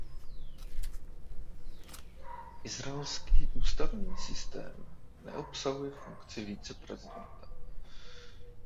Izraelský ústavní systém neobsahuje funkci viceprezidenta.